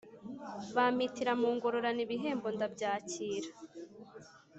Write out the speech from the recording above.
Bampitira mu ngororano ibihembo ndabyakira